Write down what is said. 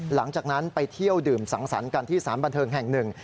หลังจากนั้นไปเที่ยวดื่มสังสรรค์กันที่สารบันเทิงแห่งหนึ่ง